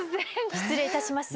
失礼いたします。